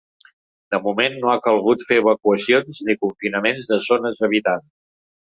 De moment no ha calgut fer evacuacions ni confinaments de zones habitades.